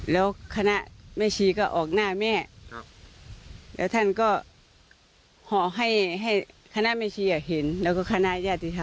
แล้วคณะแม่ชีก็ออกหน้าแม่แล้วท่านก็ห่อให้คณะแม่ชีเห็นแล้วก็คณะญาติธรรม